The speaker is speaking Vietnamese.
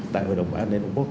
tại hội đồng bảo an liên hợp quốc